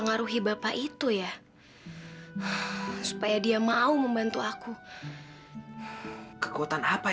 sampai jumpa di video selanjutnya